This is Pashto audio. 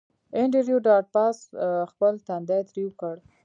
انډریو ډاټ باس خپل تندی ترېو کړ